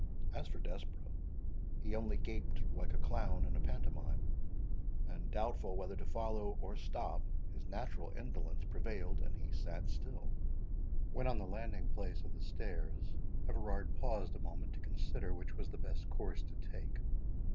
As for Desborough, he only gaped like a clown in a pantomime; and, doubtful whether to follow or stop, his natural indolence prevailed, and he sat still. When on the landing place of the stairs, Everard paused a moment to consider which was the best course to take.